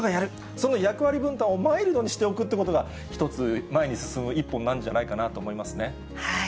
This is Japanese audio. その役割分担をマイルドにしておくっていうことが、１つ、前に進む一歩になるんじゃないかなと思いますね。